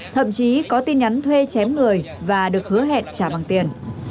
thậm chí có tin nhắn thuê chém người và được hứa hẹn trả bằng tiền